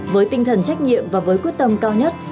với tinh thần trách nhiệm và với quyết tâm cao nhất